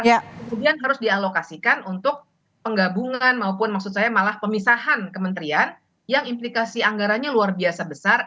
kemudian harus dialokasikan untuk penggabungan maupun maksud saya malah pemisahan kementerian yang implikasi anggarannya luar biasa besar